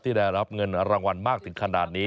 ได้รับเงินรางวัลมากถึงขนาดนี้